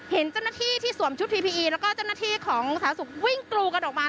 เห็นเจ้าหน้าที่ที่สวมชุดแล้วก็เจ้าหน้าที่ของศาสุกวิ่งกลูกันออกมา